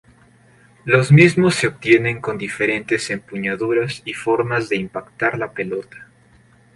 Los mismos se obtienen con diferentes empuñaduras y formas de impactar la pelota.